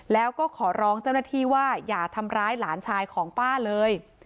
แล้วก็ขอร้องเจ้าหน้าที่ว่าอย่าทำร้ายหลานชายของป้าเลย